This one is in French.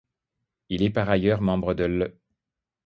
Il est par ailleurs membre de l'.